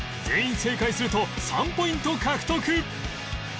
全員正解すると３ポイント獲得